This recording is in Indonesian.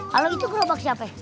kalau itu gerobak siapa